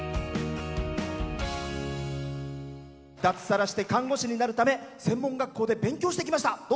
脱サラして看護師になるため専門学校で勉強してきました。